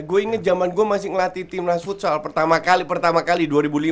gue inget zaman gue masih ngelatih timnas futsal pertama kali pertama kali dua ribu lima